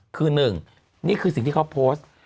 คือ๑นี่คือสิ่งที่เขาโพสต์